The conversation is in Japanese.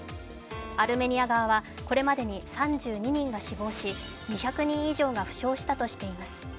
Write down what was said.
アルメニア側はこれまでに３２人が死亡し２００人以上が負傷したとしています。